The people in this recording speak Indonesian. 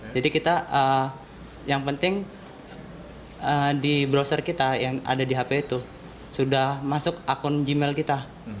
jadi yang penting di browser kita yang ada di hp itu sudah masuk akun gmail kita